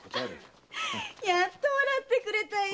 やっと笑ってくれたよ！